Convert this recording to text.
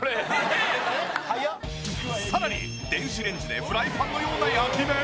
さらに電子レンジでフライパンのような焼き目！？